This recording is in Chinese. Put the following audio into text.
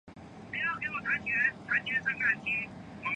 一些媒体看好北京国安在客场打破广州恒大的不败金身。